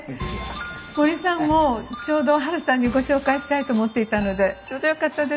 森さんもちょうどハルさんにご紹介したいと思っていたのでちょうどよかったです。